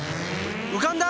うかんだ！